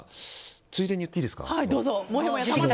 ついでに言っていいですか。